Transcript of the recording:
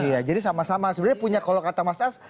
iya jadi sama sama sebenarnya punya kalau kata mas as